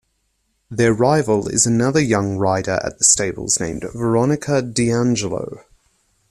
Their rival is another young rider at the stables named Veronica DiAngelo.